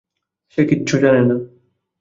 সে কিচ্ছু জানে না।